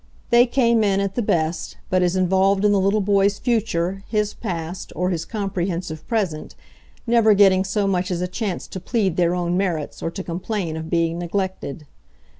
They came in, at the best, but as involved in the little boy's future, his past, or his comprehensive present, never getting so much as a chance to plead their own merits or to complain of being neglected.